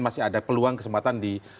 masih ada peluang kesempatan di